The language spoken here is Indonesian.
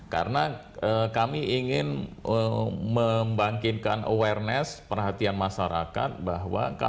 karena kami ingin membangkinkan awareness perhatian masyarakat bahwa kalau kita hanya menginginkan kualitas pendapatan